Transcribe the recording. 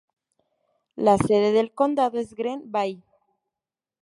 La sede del condado es Green Bay.